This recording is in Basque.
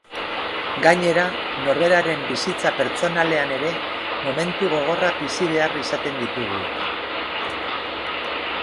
Gainera, norberaren bizitza pertsonalean ere, momentu gogorrak bizi behar izaten ditugu.